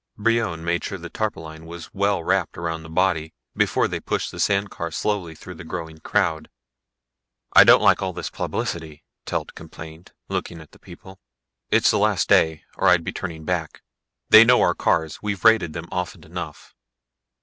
Brion made sure the tarpaulin was well wrapped around the body before they pushed the sand car slowly through the growing crowd. "I don't like all this publicity," Telt complained, looking at the people. "It's the last day, or I'd be turning back. They know our cars; we've raided them often enough."